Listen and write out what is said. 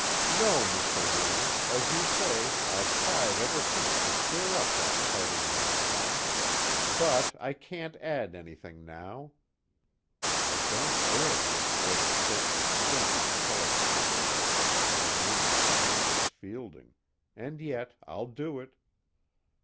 _ "No, Mr. Warner as you say, I've tried ever since to clear up that part in my mind, but I can't add anything now." _I don't dare look toward a certain flinty intelligent face the name is Francis Fielding and yet I'll do it.